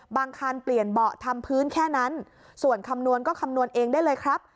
บางคันเปลี่ยนเบาะทำพื้นแค่นั้นส่วนคำนวณก็คำนวณเองได้เลยครับ